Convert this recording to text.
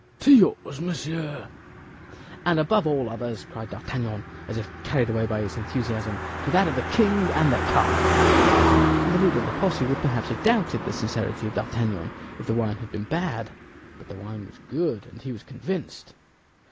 "To yours, monsieur." "And above all others," cried D'Artagnan, as if carried away by his enthusiasm, "to that of the king and the cardinal." The leader of the posse would perhaps have doubted the sincerity of D'Artagnan if the wine had been bad; but the wine was good, and he was convinced.